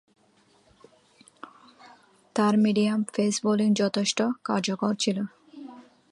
তার medium pace bowling যথেষ্ট কার্যকর ছিল।